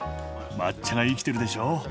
抹茶が生きてるでしょう？